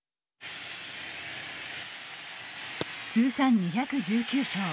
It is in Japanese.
通算２１９勝。